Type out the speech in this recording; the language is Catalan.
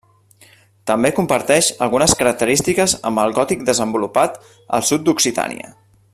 També comparteix algunes característiques amb el gòtic desenvolupat al sud d'Occitània.